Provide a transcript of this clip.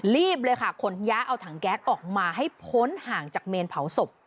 รีบเลยค่ะขนย้ายเอาถังแก๊สออกมาให้พ้นห่างจากเมนเผาศพ